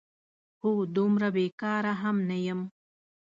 هو، دومره بېکاره هم نه یم؟!